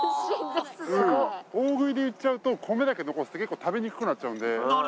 大食いでいっちゃうと米だけ残って結構食べにくくなっちゃうんで。